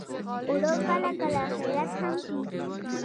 اوړه کله کله خیرات هم کېږي